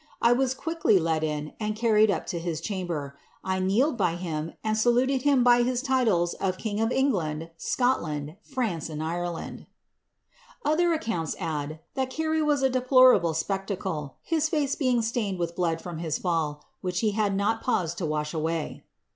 I was quickly let in, and car ried up to his chamber. 1 kneeled by him, and saluted him by his titles of king of England, Scotland, France, and Ireland." Other accounts add, that Carey was a deplorable spectacle, his face being stained with the blood from his fall, which he had not pauscl to wash away.